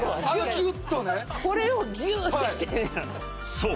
［そう。